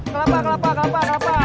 kelapa kelapa kelapa kelapa